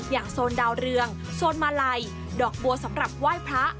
โซนดาวเรืองโซนมาลัยดอกบัวสำหรับไหว้พระ